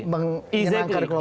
mengenangkan kelompok islam